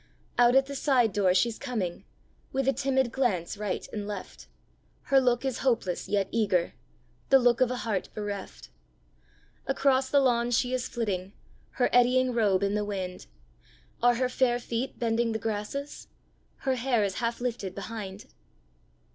Out at the side door she's coming, With a timid glance right and left! Her look is hopeless yet eager, The look of a heart bereft. Across the lawn she is flitting, Her eddying robe in the wind! Are her fair feet bending the grasses? Her hair is half lifted behind!